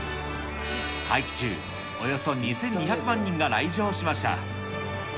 会期中、およそ２２００万人が来場しました。